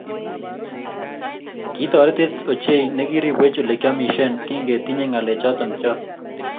Kitotoretech ochei nekiribwech olegiamishen kigetinyei ngalechoto chok